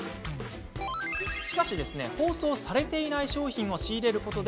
しかし、包装されていない商品を仕入れることで